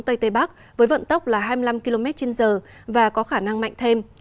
tây tây bắc với vận tốc là hai mươi năm km trên giờ và có khả năng mạnh thêm